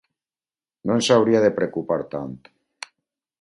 No ens hauria de preocupar tant